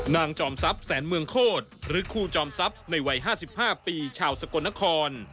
จอมทรัพย์แสนเมืองโคตรหรือครูจอมทรัพย์ในวัย๕๕ปีชาวสกลนคร